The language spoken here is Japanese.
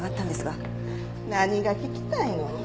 何が聞きたいの？